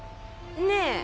ねえ！